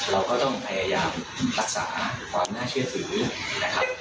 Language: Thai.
เราก็ต้องพยายามรักษาความน่าเชื่อถือนะครับ